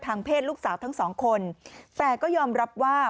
เพศลูกสาวทั้งสองคนแต่ก็ยอมรับว่า